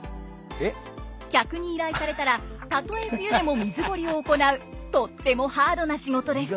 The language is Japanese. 客に依頼されたらたとえ冬でも水垢離を行うとってもハードな仕事です。